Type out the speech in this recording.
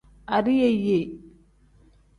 Adiyeeye.